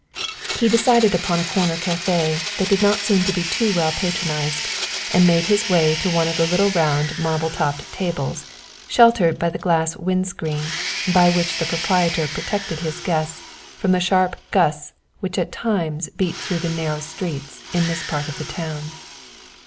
He decided upon a corner café that did not seem to be too well patronized, and made his way to one of the little round marble topped tables sheltered by the glass wind screen, by which the proprietor protected his guests from the sharp gusts which at times beat through the narrow streets of this part of the town.